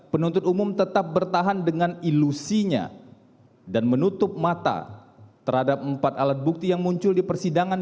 penuntut umum tetap bertahan dengan ilusinya dan menutup mata terhadap empat alat bukti yang muncul di persidangan